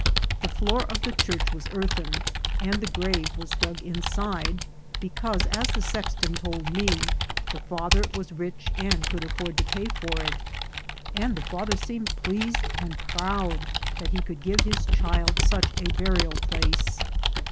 The floor1 of the church was earthen, and the grave was dug inside, because, as the sexton told me, the father was rich and could afford to pay for it, and the father seemed pleased and proud that he could give his child such a burial place.